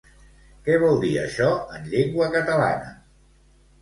Què vol dir això en llengua catalana?